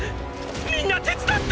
みんな手伝って！